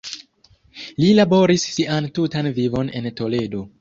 Li laboris sian tutan vivon en Toledo.